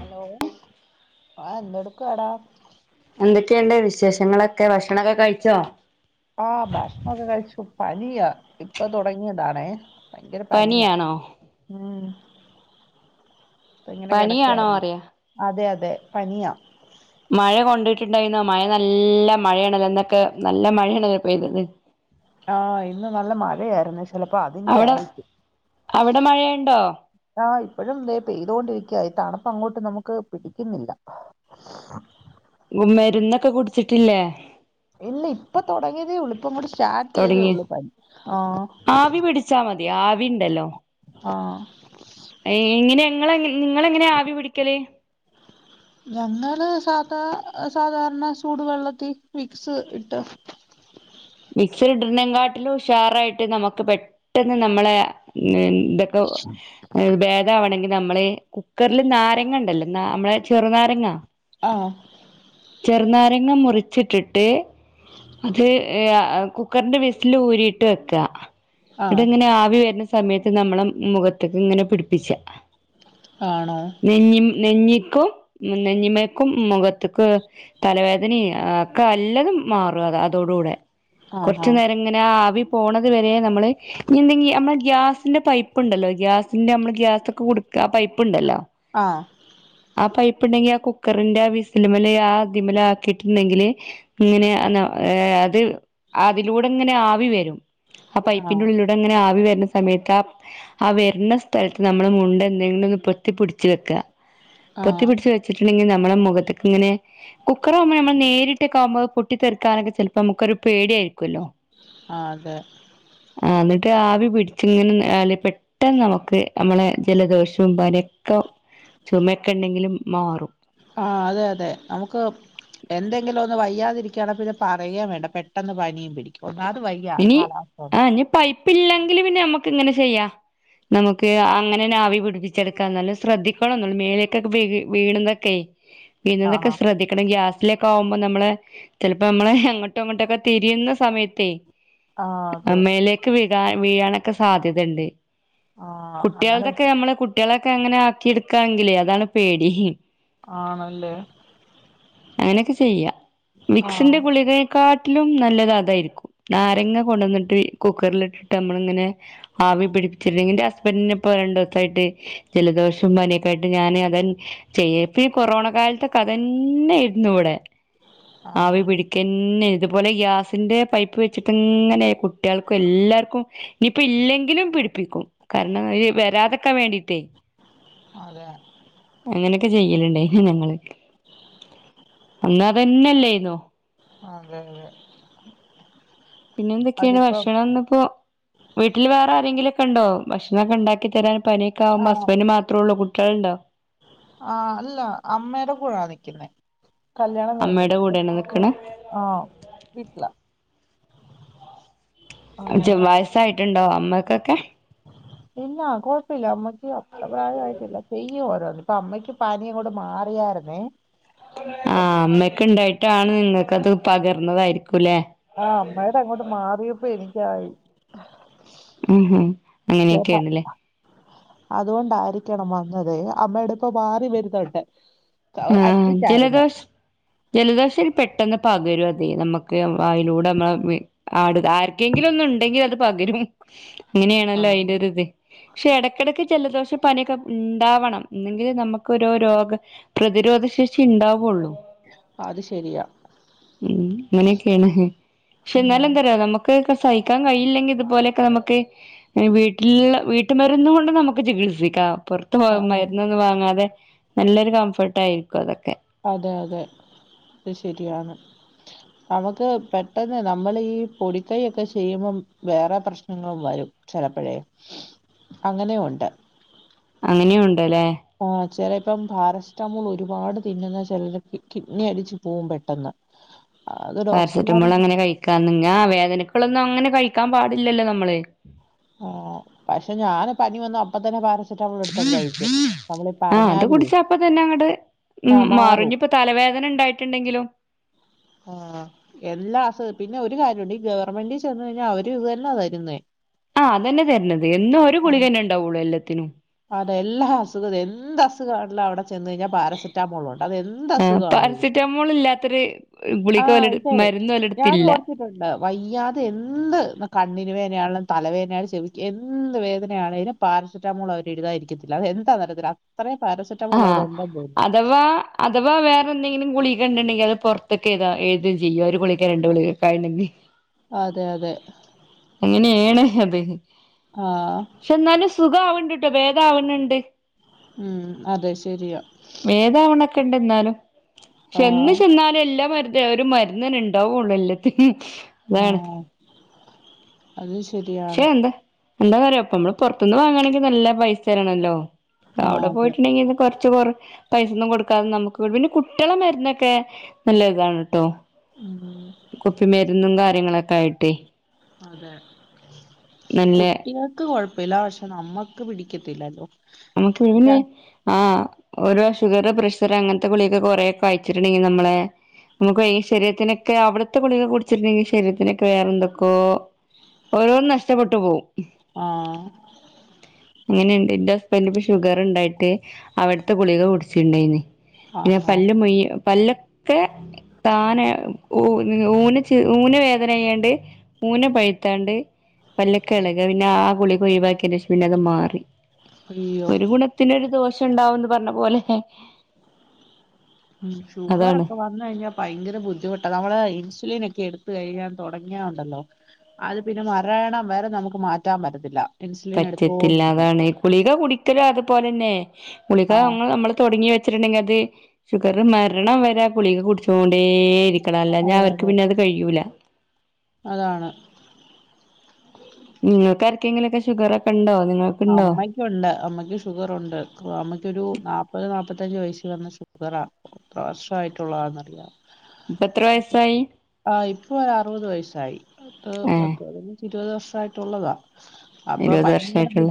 Hello ആ എന്തൊടുക്കുവാടാ എന്തൊക്കെയുണ്ട് വിശേഷങ്ങളൊക്കെ ഭക്ഷണം ഒക്കെ കഴിച്ചോ നിയാ ഇപ്പൊ തൊടങ്ങിയതാണേ ഭയങ്കര പനിയാ പനിയാണോ ഉം അപ്പൊ ഇങ്ങനെ പനിയാണോ കിടക്കുവായിരുന്നു അറിയ അതെ അതെ അതെ പനിയാ മഴ കൊണ്ടുട്ടുണ്ടായിരുന്നോ മഴ നല്ല മഴയാണല്ലോ ഇന്നൊക്കെ നല്ല മഴയാണ് പെയ്തത് ആ ഇന്ന് നല്ല മഴയായിരുന്നു ചിലപ്പോ അതിന്റെ അവിടെ ആയിരിക്കും അവിടെ മഴയുണ്ടോ ആ ഇപ്പഴും ദേ പെയ്തോണ്ടിരിക്ക ക്കാ തണുപ്പ് അങ്ങോട്ട് നമുക്ക് പിടിക്കുന്നില്ല മരുന്നൊക്കെ കുടിച്ചിട്ടില്ലേ ഇല്ല ഇപ്പൊ തുടങ്ങിയതേയുള്ളൂ ഇപ്പം അങ്ങോട്ട് സ്റ്റാർട്ട് ചെയ്തേ തുടങ്ങി ഉള്ളൂ പനി ആ ആവി പിടിച്ചാ മതി ആ ഇങ്ങനെ ഇങ്ങൾ എ നിങ്ങളെങ്ങനാ ആവി പിടിക്കല് ഞങ്ങള് സാധാ സാധാരണ ചൂടുവെള്ളത്തിൽ വിക്സ് ഇട്ട് വിക്സ് ഇടുന്നെ കാട്ടിലും ഉഷാറായിട്ട് നമുക്ക് പെട്ടെന്ന് നമ്മളെ ഇതൊക്കെ ഭേദമാവണെങ്കിൽ നമ്മള് കുക്കറിൽ നാരങ്ങ ഉണ്ടല്ലോ ന നമ്മളെ ചെറുനാരങ്ങാ ആ ചെറുനാരങ്ങ മുറിച്ചിട്ടിട്ട് അത് [unintelligible] കുക്കറിന്റെ വിസില് ഊരിട്ട് വെക്കുക ആ ഇതിങ്ങനെ ആവി വരുന്ന സ സമയത്ത് നമ്മളെ മുഖത്തെക്കെ ഇങ്ങനെ പിടിപ്പിച്ചാ ആണോ നെ നെഞ്ഞി നെഞ് ക്കും നെഞ്ഞിമേക്കും മുഖത്തെക്കും തലവേദന ആ ക്കെ എല്ലതും മാ അ അതോടുകൂടെ ആഹാ കുറച്ചു നേരം ഇങ്ങനെ ആവി പോണത് വരെ നമ്മൾ എന്തെങ്കി നമ്മള ഗ്യാസ് ന്റെ പൈപ്പ്ണ്ടല്ലോ ഗ്യാസ് ൻ്റമ്മള് ഗ്യാസൊക്കേ കൊടു ആ പൈപ്പ്ണ്ടല്ലോ ആ പൈപ്പ്ണ്ടെങ്കി ആ കുക്കറിന്റെ വിസല്മ്മല് ആദിമലാക്കിട്ട്ണ്ടങ്കില് ഇങ്ങനെ അന ഏ അത് അതിലൂടെങ്ങനെ ആവി വരും ആ പൈപ്പിന്റെ ഉള്ളിലൂടെങ്ങനെ ആവി വ വരുന്ന സമയത്ത് ആ ആ വര്ണ സ്ഥലത്ത് നമ്മൾ മുണ്ടെന്തെങ്കിലുന്ന് പൊത്തിപ്പിടിച്ചു വെക്ക. പൊത്തി ആഹ് പിടിച്ചു വെച്ചി ങ്കിൽ നമ്മളേ മുഖത്തക്കെങ്ങനെ കുക്കറാവുമ്പോ നമ്മൾ നേരി ട്ടക്കാവ്മ്പത് പൊട്ടിത്തെറി ക്കാനൊക്കേ ചെലപ്പം നമ്മക്കൊരു പേടിയായിരിക്കൊല്ലോ ആ അതെ. ആ ഇന്നട്ട് ആവി പിടിച്ചിങ്ങനെ ന്നാല് പെട്ടെന്ന് നമുക്ക് നമ്മളെ ജലദോഷവും പനിം ക്കം ചുമെക്കണ്ടെങ്കിലും മാറും. ആ അതെ അതെ നമുക്ക് എന്തെങ്കിലും ഒന്ന് വയ്യാതിരിക്കാണെപിന്നെ പറയേം വേണ്ട. പെട്ടെന്ന് പനിം പിടിക്കും. ക്കാത വയ്യ കാലാവസ്ഥേ പ്പില്ലങ്കില് പിന്നെ നമ്മക്ക്ങ്ങനെ ചെയ്യാ. നമുക്ക് അങ്ങനെന്നെ ആവി പിടിപ്പിച്ചെടുക്കാ. നല്ല ശ്രദ്ധിക്കണംന്നുള്ളൂ മേലേക്കൊക്കേ വീ വീണുന്നൊക്കേ. പിന്നെതൊക്കെ ആഹ് ശ്രദ്ധിക്കണം. ഗ്യാ സ് ലൊക്കാവുമ്പോ നമ്മളെ ചിലപ്പോമ്മളെ അങ്ങോട്ടോ ഇങ്ങോട്ടൊക്കെ തിരിയുന്ന സമയത്തേ ആഹ് ആ അതെ മേലേക്ക് വീഴ് കാ വീഴാനൊക്ക സാധ്യതണ്ട്. ആഹ് അങ്ങനെ കുട്യാൾതൊക്കേ നമ്മള് കു ട്യാളൊക്കേ അങ്ങനെ ആക്കിട്ക്കാണങ്കിലേ അതാണ് പേടി. ആണല്ലേ അങ്ങനൊക്കേ ചെയ്യാ. വിക്സിന്റെ ആഹ് ഗുളികെ കാട്ടിലും നല്ലതതായിരിക്കു നാരങ്ങ കൊണ്ടന്നിട്ട് കുക്കറിലിട്ടിട്ട് നമ്മള്ങ്ങനെ ആവി പിടിപ്പിച്ചില്ലെങ്കിൻ്റെ അ ഹസ്ബൻ്റിനിപ്പോ രണ്ടുസായിട്ട് ജലദോഷും പനിക്കായിട്ട് ഞാന് അതൻ ചെയ്യപ്പ ഈ കൊറോണ കാൽത്തൊക്കേ അതന്നേര്ന്നുവിടെ ആവി ആഹ് പിടിക്കന്നേര്ന്ന് അതുപോലെ ഗ്യാസിന്റെ പൈപ്പ് പ്പ്ച്ചിട്ടിങ്ങനെ കുട്ടികൾക്കും എല്ലാർക്കും നീപ്പെ ഇല്ലെങ്കിലും പിടിപ്പിക്കും കാരണം വര് വരാത്ക്കാൻ വേണ്ടി തേയ് അതെ അങ്ങനെ ക്കെ ചെയ്യലുണ്ടായി ഞങ്ങള് അന്നതന്നെല്ലായിര്ന്നോ അതെതേ പിന്നെന്ത്ക്കെയാണ് ഭക്ഷണന്നപ്പോ വീട്ടില് വേറെ ആരെങ്കിലും കണ്ടോ ഭഷ്ണക്കെ ഒണ്ടാക്കി തരാൻ പനിയൊക്കെ ആവുമ്പ അസ്ബൻറ് മാത്രോള്ളു കുട്ട് ട്ടിയാൾണ്ടോ ആ അല്ല അമ്മേടെ കൂടെ നിക്കുന്നേ കല്യാണം അമ്മയുടെ കഴിഞ്ഞിട്ടില്ല കൂടെയാണ് അപ്പൊ നിക്കണെ ആ വീട്ട്ലാ [unintelligible] വയസ്സായിട്ട്ട്ടോ അമ്മക്കൊക്കെ ഇല്ല കൊഴപ്പില്ല അമ്മയ് ഏ അത്ര പ്രായായിടില്ല ചെയ്യ് ഓരോന്ന് പ്പ അമ്മയ്ക്ക് പനിയങ്ങോട്ട് മാറിയാരുന്നേ ആ അമ്മക്കെണ്ടായി ട്ടാണ് നിങ്ങക്കത് പകർന്നതായിരി ആ അമ്മേടെങ്ങോട്ട് മാറിയപ്പെനി [unintelligible] ഉം ഹും ങ്ങനെക്കെയാണല്ലേ അതുകൊണ്ടായിരിക്കണം വന്നതേ അമ്മേടെ ഇപ്പൊ മാറി വരുന്നൊണ്ട് ആ ജലദോഷ് ജലദോഷൊരു പെട്ടെന്ന് പകരുഅതെ നമ്മക്ക് വായ്ലൂടെ മ്മളെ വീ ആട് ആർക്കെങ്കിലുന്നുണ്ടെങ്കി അത് പകരും. ആ ങ്ങനെയാണല്ലോ അയിന്റെയൊരിത് ക്ഷെ എടക്കെടക്ക് ജലദോഷ പനീക്കെ ഇണ്ടാവണം എന്നെങ്കിലേ നമുക്കൊരോ രോഗ പ്രതിരോധശേഷി ഇണ്ടാവൊള്ളൂ അത് ശെരിയാ ഉം അങ്ങനെയൊക്കെയാണ് ക്ഷെ ഉം. ന്നാലെന്തറിയോ നമു ക്കെക്കെ സയിക്കാൻ കഴിയില്ലെങ്കി ഇതുപോലെക്കെ നമുക്ക് ഈവീട്ടില്ള്ള വീട്ടുമരുന്ന് കൊണ്ട് നമുക്ക് ചികിത്സിക്കാം പൊറത്ത് ആ, പോം മര്ന്നൊന്നും വാങ്ങാതെ നല്ലൊരു കംഫ് ഇട്ടാരിക്കും അതൊ അതെ അതെ ത് ശരിയാണ് നമുക്ക് പെട്ടെന്ന് നമ്മളീ പൊടിക്കൈയൊക്കെ ചെയ്യുമ്പം വേറെ പ്രശ്നങ്ങളും വരും ചെലപ്പഴേ അങ്ങനേ ഒണ്ട്. അങ്ങനെ ഒൺ ണ്ട് ല്ലേ ചെലേപ്പം പാരസ്റ്റമോളൊരുപാട് തിന്നുന്ന ചെലര് കിഡ് കിഡ്നി അടിച്ചു പോം പെട്ടെന്ന് അത് ഡോക്ടർമാർ പാരസെറ്റമോൾ അങ്ങനെ കഴിക്കാങ്ങ വേദനക്ക അങ്ങനെ കഴിക്കാൻ പാടില്ലല്ലോ നമ്മള് ഓ പക്ഷെ ഞാന് പനി വന്നു അപ്പ തന്നെ പാര ആ അത് പറഞ്ഞാലുവേ കുടിച്ചപ്പ തന്നെ അങ്ങട്ട ഉ ആ മാറും മാറിഞ്ഞ ഇപ്പോ തലവേദന ഉണ്ടായിട്ടുണ്ടെങ്കിലോ ആഹ എല്ലാ അ പിന്നെ ഒരു കാര്യമുണ്ട് ഈ ഗവൺമെന്റിൽ ചെന്ന് കഴിഞ്ഞാൽ അവരും ഇതന്നെ തരുന്നേ ആഹ് അതന്നെ തരണത് എന്നും ഒരു കുളികന്നെ ഉണ്ടാവുള്ള എലെ ത്തിനൂ അത എല്ലാ അസുഖും എന്ത് അസുഖമാണല്ലോ അവിടെ ചെന്ന് കഴിഞ്ഞാൽ പാരസെറ്റാമോള ഉണ്ട് അത് എന്ത് ആ അസുഖമാണെും പാരസെറ്റമോൾ ഇല്ലാത്തൊരു ആ് ഗുളിക ഓലെട് ഇതെ മരുന്ന് ഞാൻ ഓലെടുത്തില്ല ഓർത്തിട്ടുണ്ട് വയ്യാതെ എന്ത് കണ്ണിന് വേദനയാണെലും തലവേനയാലും ചെവിക്കുക എന്ത് വേദനയാണും പാരസെറ്റാമോൾ അവര് എഴുതാായിരിക്കത്തില്ല അത് എന്താ തരത്തില് അത്രയും പാരസെറ്റാമോൾ ആഹ അവിടെ ഉണ്ടെന്ന് തോന്നുന്നു അഥവാ അഥവാ വേറെ എന്തെങ്കിലും ഗുളി ണ്ടെങ്ക അത് പുറത്തൊക്കെ ഏതാഏുത ചെയ്യും ഒരു കുളിക്കാ രണ്ട്ുളിക്കക്കെ ആ ഉണ്ടെങ്കിൽ അതെ അതെ അങ്ങനെയാണ് അതെ ആ പക്ഷെ എന്നാലും സുഖ ആവേണ്ടി ട്ട ഭേദ ആവണണ്ട് ഉം അതെ ശരിയാ ണ്ട എന്നാലും ചെന്നു ആഹ് ചെന്നാലും എല്ലാം ഒരു മരുന്ന ഉണ്ടാവുള്ളൂ എല്ലാത്തി ആഹ അത് പക്ഷെ ശരിയാണ് എന്താ എന്താ പറയയാോപ്പ നമ്മള് പുറത്തുന്ന് വാങ്ങണെങ്കിൽ നല്ല പൈസ തരണമല്ലോ ആഹ് അവിടെ അതെ പോയിട്ടുണ്ടെങ്കിത് കൊറ കുറച്ച കുറ പൈസൊന്നും കൊടുക്കാതെ നമുക്ക് പിന്നെ കുട്ടികളെ മരുന്നൊക്കെ നല്ല ഇതാണ് കേട്ടോ ഉം കുപ്പി മരുന്നും ക കാര്യങ്ങളൊക്കെ ആയിട്ട് അതെ നല്ല കുട്ടികൾക്ക് കൊഴപ്പ ലാവഷം നമ്മുക്ക് പിടിക്കത്തില്ലല്ലോ നമുക്ക് എനിക്കാ പിന്നെ ആ ഓരോ ഷുഗർ പ്രഷർ അങ്ങനത്തെ കുളിയൊക്കെ കുറെേൊക്കെ അയച്ചിട്ടുണ്ടെങ്കിൽ നമ്മളെ നമുക്ക് ശരീരത്തിനൊക്കെ അവിടത്തെ കുളിയൊക്കെ കുടിച്ചിട്ടുണ്ടെങ്കിൽ ശരീരത്തിനൊക്കെ വേറെ എന്തൊക്കോ ഓരോരും നഷ്ടപ്പെട്ടു പോകവും ആഹ അങ്ങനെയുണ്ട് ഇണ്ട് പെണ്ണിന് ഷുഗർ ഉണ്ടായിട്ട് അവിടുത്തെ ഗുളികെ കുടിച്ചിണ്ടായിന്ന് ആഹ് [unintelligible] ആഹ് പല്ല് [unintelligible] പല്ലോക്കെ താനെ ഊ ഊന് ഊന് വേദന ആയ്യാണ്ട് ഊന് പഴുത്താണ്ട് പല്ലക്കെ ഇളക പിന്നെ ആ ഗുളിക ഒഴിവാക്കിയെന്റെ ശേഷ പിന്നെ അത് മാറി അയ്യോ ഒരു ഗുണത്തിന ഒരു ദോ ഷണ്ടാവുന്ന് പറഞ്ഞ പോലെ ഉം അതാണ് ഷുഗറോക്കെ വന്ന കഴിഞ്ഞാ ഭയങ്കര ബുദ്ധിമുട്ടാ നമ്മളെ ഇൻസുലിൻ എ ക്കെടുത്ത് കഴിഞ്ഞാൽ തോടങ്ങിയണ്ടല്ലോ അത് പിന്നെ മറണം വരെ നമുക്ക് മാറ്റാൻ പറ്റത്തില്ല ഇൻസുലിൻ എടുത്തോണ്ടിരിക്കണം പറ്റത്തില്ലാതാണ് കുളിക കുടിക്കലോ അതുപോലെന്നെ ഗളിക ആഹ് ങ്ങള് നമ്മള് തുടങ്ങി വ ചിട്ട്ണ്ടങ്കി അത് ഷുഗർ മരണം വരെ ആ ഗുളിക കുടിച്ചോണ്ടേരിക്കും ലല്ല അതെ അവർക്ക് അതെ പിന്നെ അത് കഴിയൂല അതാണ് നിങ്ങൾക്ക ആർക്കെങ്കിലൊക്കെ ഷുഗർ ഒക്കെ ഉണ്ടോ നിങ്ങൾക്കുണ്ടോ അമ്മക്കോണ്ട് അമ്മക്ക് ഷുഗറോണ്ട് അമ്മക്ക്‌ ഒരു നാപ്പത് നാ മുപ്പത്തഞ്ചു വയസ്ൽ വന്ന ഷഗറ വർഷമായിട്ടുള്ളതാെന്നറിയ ഇപ്പ എത്ര വയസ്സായി ആ ഇപ്പൊ അറുപത് വയസായി ഏഹ് [unintelligible] [unintelligible] ഇരുപത് വർഷയിട്ടുള്ള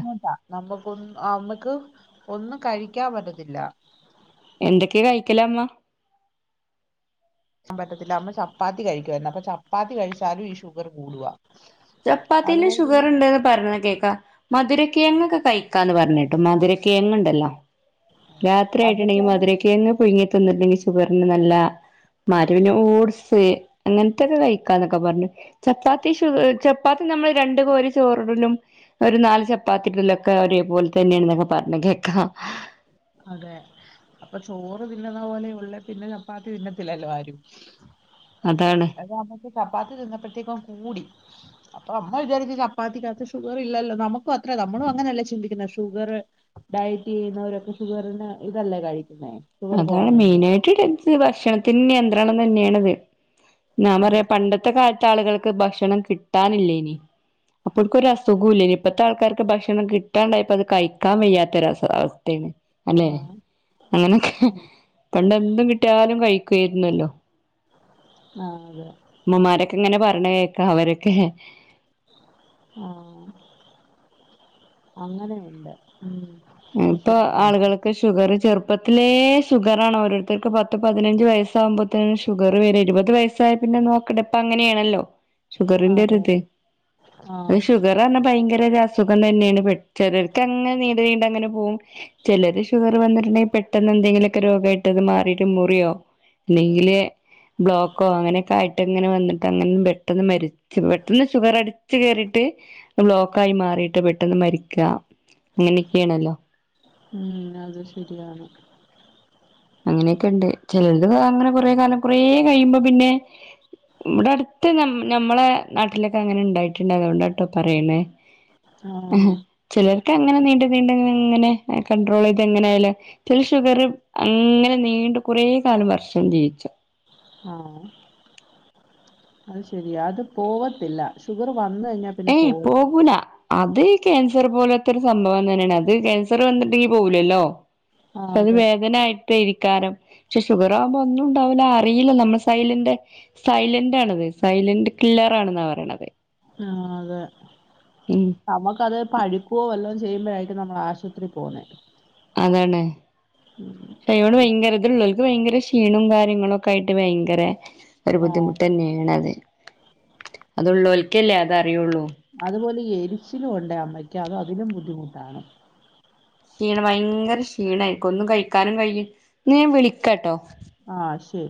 നമ്മക്കോന്ന് ആ മ്മക്ക് ഒന്നും കഴിക്കാൻ പറ്റത്തില്ല എന്തൊക്കെയ കഴിക്കലമ്മ ക്കാൻ പറ്റത്തില്ല അമ്മ ചപ്പാത്തി കഴിക്കുവരുന്നു അപ്പൊ ചപ്പാത്തി കഴിച്ചാലും ഈ ഷുഗർ കൂടുക ചപ്പാത്തിൽ ഷുഗർ ഉണ്ടന്ന് പറഞ്ഞ കേൾക്കാ മധുര കിഴങ്ങൊക്കെ കഴിക്കാന്ന് പറഞ്ഞിട്ടും മധുര കേഴങ്ങങ്ണ്ടല്ലോ രാത്രി ആയിട്ടുണ്ടെങ്കി അതൊക്കെയാണ് മധുരക്കിഴങ്ങ് പുഴുങ്ങി തിന്നിട്ണ്ടെങ്കി ഷുഗറിന് നല്ല. മരുപിനെ ഓട്സ് എ അങ്ങൻ ത്തെക്കെ കഴിക്കാന്നൊക്കെ പർഞ്ഞു. ചപ്പാത്തി ഷു ചപ്പാത്തി നമ്മൾ രണ്ട് കോരി ചോറിടലും ഒരു നാല് ചപ്പാത്തിട്ലോക്കെ ഒരേപോലെ തന്നെൺന്നൊക്കെ പർഞ്ഞു കേക്കാ. അതെ അപ്പൊ ചോറ് തിന്നുന്ന പോലെ ഉള്ള പിന്നെ ചപ്പാത്തി തിന്നത്തില്ലല്ലോ ആരും അതാണ് അത് നമ്മുക്ക് ചപ്പാത്തി തിന്നപ്പോഴത്തേക്കും കൂടി അപ്പൊ അമ്മ വിചാരിച് ചപ്പാത്തിക്കകത്ത് ഷുഗർ ഇല്ലല്ലോ. നമുക്കും അത്ര നമ്മളും അങ്ങനെയല്ലേ ചിന്തിക്കുന്നെ ഷുഗറ് ഡയറ്റ് ചെയ്യുന്നവരൊക്കെ ഷുഗറിന് ഇതല്ല കഴി അതാണ് മെയിനായിട്ട് [unintelligible] ഭക്ഷണത്തിൻ നി [unintelligible] തന്നെണ് വെ ഞാൻ പറയാ പണ്ടത്തെ കാ ത്തെ ആളുകൾക്ക് ഭക്ഷണം കിട്ടാനില്ലേയിനി. അപ്പോര്ക്ക് ഒരസുഗോല്ലേയ്നി. ഇപ്പത്തെ ആൾക്കാർക്ക് ഭക്ഷണം കിട്ടാൻണ്ടായപ്പോ അത് കഴിക്കാൻ വയ്യാത്തൊര സ അവസ്ഥേയിനി. അല്ലെ ആഹ് അങ്ങനെ പണ്ടെന്തും കിട്ടിയാലും കഴി കേരുന്നല്ലോ ആഹ് അതെ മ്മമ്മാരൊക്കെ ഇങ്ങനെ പറ ർണെഏക്ക അവരൊക്കെ ആ അങ്ങനെയുണ്ട് ഉം അത് ഇപ്പൊ ശരിയാണ് ആളുകൾക്ക് ഷുഗർ ചെറു പ്പത്തിലെ ഷുഗറണോരോര്ത്തര്ക്ക് പത്ത് പതിനഞ്ച് വയസ്സാഉമ്പോത്തേന് ഷുഗർ വരെ ഇരുപത് വയസ്സായ പിന്നെ നോക്കണ്ട ഇപ്പങ്ങനെയാണല്ലോ. ഷുഗറിന്റൊരു അതെ ഇത് അഹ് ആഹ് ഷുഗറാർഞ ഭയങ്ക അസുഖം തന്നെണ് പെ ചെലർക്കങ്ങനെ നീണ്ട് നീണ്ട നെ പോവും ചിലത് ഷുഗർ വന്നിട്ടുണ്ടെങ്കിൽ പെട്ടെന്ന് എന്തെങ്കിലൊക്കെ രോഗായിട്ട് അത് മാറിട്ട് മുറിയോ അല്ലെങ്കില് ബ്ലോക്കോ അങ്ങനെയൊക്കെ ആയിട്ട്ങ്ങനെ വന്നിട്ട് അ പെട്ടെന്ന് മരിച്ച് പെട്ടന്ന് ഷുഗർ അടിച്ച്കേറിട്ട് ബ്ലോക്കായി മാറിട്ട് പെട്ടെന്ന് മരിക്ക അങ്ങനെ ക്കെണല്ലോ ഉം അത് ശരിയാണ് അങ്ങനെയൊക്കെണ്ട് ചിലര്ത് അങ്ങനെ കൊറ കാലം കൊറ കഴിയുമ്പോ പിന്നെ ഇവിടെ അടുത്ത് ന നമ്മളെ നാട്ടിലൊക്കെ അങ്ങനെ ഉണ്ടായിട്ടുണ്ട് അതുകൊണ്ടാട്ടോ പറയണേ ആ ആഹ് ചിലർക്ക് അങ്ങനെ നീണ്ട പിന്നെങ്ങനെ കണ്ട്രോൾ ചെയ്ത് എങ്ങനായാലും ഷുഗർ അങ്ങനെ നീണ്ട കുറേ കാലം വർഷം ജീവിച്ചു ആഹ അത് ശരിയാ അത് പോവത്തില്ല ഷുഗർ വന്ന്കഴിഞ്ഞാൽ പിന്നെ ഏയ് പോത്തില്ല പോകൂല അത് ഈ ക്യാൻസർ പോലത്തൊരു സംഭവം തന്നേണ് അത് ക്യാൻസർ വന്നട്ട്ണ്ടെങ്കി പോവൂലല്ലോ ആഹ് ക്ഷത് അതെ വേദനായിട്ട് ക്കയിരിക്കാരം പക്ഷെ ഷുഗറാവുമ്പോ ഒന്നും ഉണ്ടാവൂല്ല അറിയില്ല നമ്മ്ള് സൈലന്റ സൈലൻ്റാണത് സൈലന്റ് കില്ലറാണ്ന്നാ പറയ്ണത് ആ അതെ ഉം നമ്മക്കത് പഴുക്ക്വോ വല്ലോം ച് ചെയ്യുമ്പഴായിരിക്കും നമ്മളാശുപത്രി പോവുന്നെ അതാണ് ക്ഷേ ഇവടെ വയങ്കരിതുള്ളോൽ ക്ക് വയങ്കര ക്ഷീണോം കാര്യങ്ങളൊക്കായിട്ട് വയങ്കര ഒരു ആഹ് ബുദ്ധിമുട്ടന്നേണത് അതുള്ളോൽ കില്ല്യാതാൺ അതുപോലീ എരിച്ചിലുവൊണ്ടേ അമ്മയ്ക്ക് ക്ക്യത് അതിലും ബുദ്ധിമുട്ടാണ് ക്ഷീണം വയങ്കര ക്ഷീണായിരിക്കൊന്നും കഴിക്കാനും കഴിയു ന്ന ഞാൻ വിളിക്കാട്ടോ ആഹ് ശരി